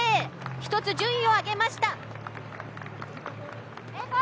１つ順位を上げました。